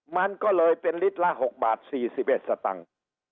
มันก็เลยเป็นลิตรละ๖บาท๔๑สตังค์